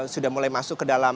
sudah mulai masuk ke dalam